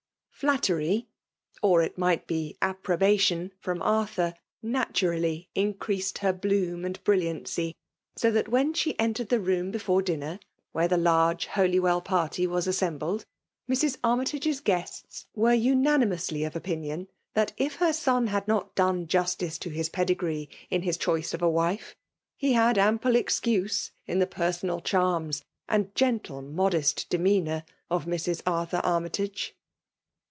Flattery, or it might be approbation, fibm Arthur naturally increased her bloom and brilliancy, so that when she entered the room before dinner^ where the large Holywell party was assembled, Mrs. Armytage's guests 40^ FEM'ALI?' DOUlNAnON/ nvcfre UiHtnimously of bpinion; aknat if her* wA hAd not done juMice t<y his pedigree in his cboke of a wife, lie had ample excuse in the piersonal charms and gentle modest demeanour of Mrs. Arthur Arm'ytage.